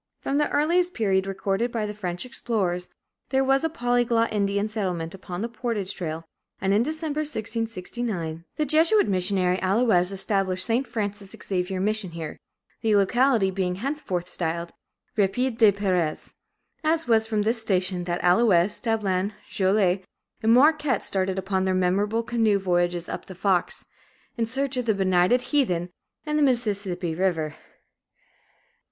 From the earliest period recorded by the French explorers, there was a polyglot Indian settlement upon the portage trail, and in December, 1669, the Jesuit missionary Allouez established St. Francis Xavier mission here, the locality being henceforth styled "Rapide des Peres." It was from this station that Allouez, Dablon, Joliet, and Marquette started upon their memorable canoe voyages up the Fox, in search of benighted heathen and the Mississippi River.